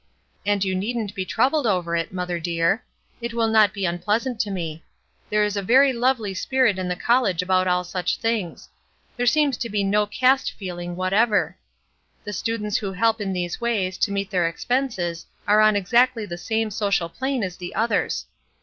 And you needn't be troubled over it, mother dear; it will not be unpleasant to me. There is a very lovely spirit in the college about all such things; there seems to be no caste feeling whatever. The students who help in these ways to meet their expenses are on exactly the same social plane as the others.